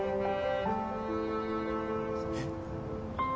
えっ？